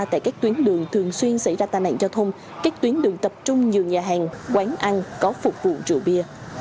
tại các tuyến đường thường xuyên xảy ra tai nạn giao thông các tuyến đường tập trung nhiều nhà hàng quán ăn có phục vụ rượu bia